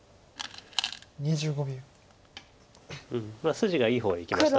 筋がいい方にきました。